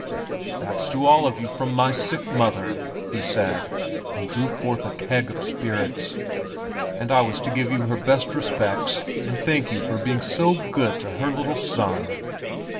"That's to you all from my sick mother!" he said, and drew forth a keg of spirits. "And I was to give you her best respects, and thank you for being so good to her little son."